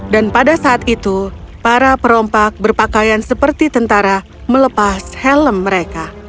pada saat itu para perompak berpakaian seperti tentara melepas helm mereka